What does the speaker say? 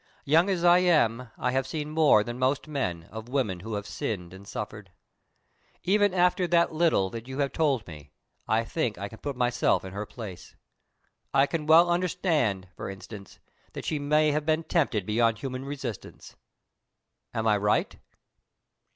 "Young as I am, I have seen more than most men of women who have sinned and suffered. Even after the little that you have told me, I think I can put myself in her place. I can well understand, for instance, that she may have been tempted beyond human resistance. Am I right?"